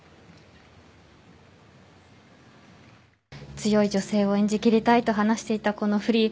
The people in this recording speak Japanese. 強い女性を演じ切りたいと話していたこのフリー。